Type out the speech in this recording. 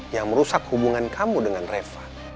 yang merusak hubungan kamu dengan reva